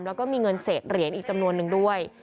แล้วก็มีเงินเศษเหรียญอีกจำนวนนึงด้วย